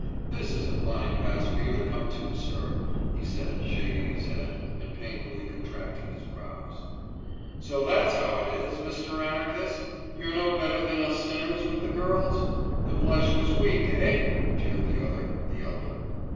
»This is a fine pass for you to come to, sir,« he said, shaking his head and painfully contracting his brows. »So that's how it is, Mr. Anarchist? You're no better than us sinners with the girls? The flesh was weak, eh?« jeered the other, the elder.